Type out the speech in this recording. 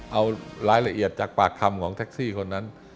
เอารายละเอียดจากปากคำของแท็กซี่คนนั้น